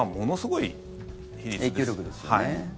影響力ですよね。